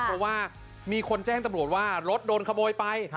เพราะว่ามีคนแจ้งตำรวจว่ารถโดนขโมยไป